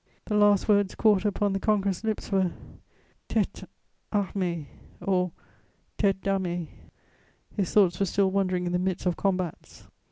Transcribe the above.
The last words caught upon the conqueror's lips were, "Tête... armée," or "Tête d'armée." His thoughts were still wandering in the midst of combats.